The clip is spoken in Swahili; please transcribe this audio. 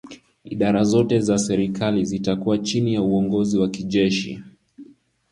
idara zote za serikali zitakuwa chini ya uongozi wa kijeshi